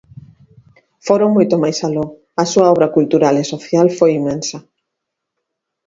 Foron moito máis aló, a súa obra cultural e social foi inmensa.